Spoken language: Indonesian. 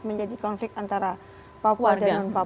menjadi konflik antara papua dan non papua